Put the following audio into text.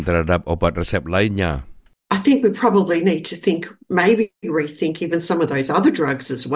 terhadap obat resep lainnya